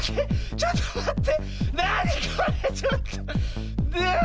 ちょっとまって。